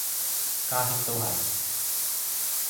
家兄都係